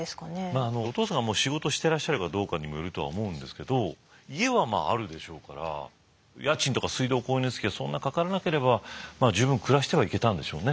まあお父さんが仕事してらっしゃるかどうかにもよるとは思うんですけど家はあるでしょうから家賃とか水道光熱費はそんなかからなければ十分暮らしてはいけたんでしょうね。